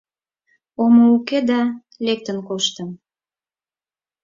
— Омо уке, да лектын коштым.